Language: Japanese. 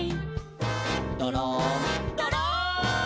「どろんどろん」